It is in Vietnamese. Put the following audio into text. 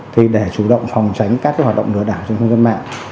thì để chủ động phòng tránh các hoạt động lừa đảo trên công dân mạng